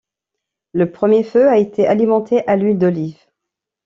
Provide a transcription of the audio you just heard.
Le premier feu a été alimenté à l'huile d'olive.